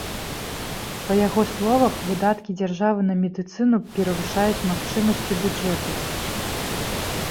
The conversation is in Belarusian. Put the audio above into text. Па яго словах, выдаткі дзяржавы на медыцыну перавышаюць магчымасцю бюджэту.